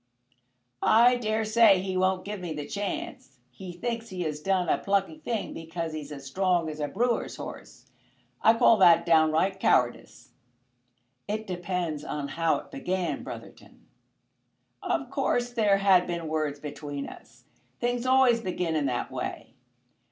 "I daresay he won't give me the chance. He thinks he has done a plucky thing because he's as strong as a brewer's horse. I call that downright cowardice." "It depends on how it began, Brotherton." "Of course there had been words between us. Things always begin in that way."